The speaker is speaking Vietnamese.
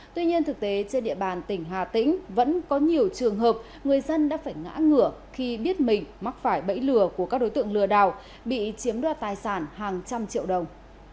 tuy nhiên thực tế trên địa bàn tỉnh hà tĩnh vẫn có nhiều trường hợp người dân đã phải ngã ngửa khi biết mình mắc phải bẫy lừa của các đối tượng lừa đảo bị chiếm đoạt tài sản hàng trăm triệu đồng